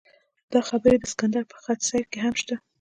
دا خبرې د سکندر په خط سیر کې هم شته.